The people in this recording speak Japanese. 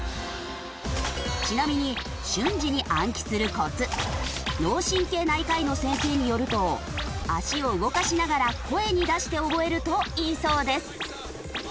ちなみに瞬時に暗記するコツ脳神経内科医の先生によると足を動かしながら声に出して覚えるといいそうです。